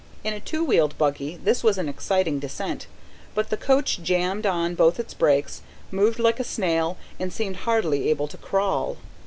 In a two wheeled buggy this was an exciting descent; but the coach jammed on both its brakes, moved like a snail, and seemed hardly able to crawl.